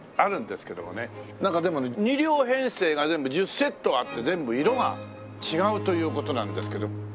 なんかでも２両編成が全部１０セットあって全部色が違うという事なんですけど。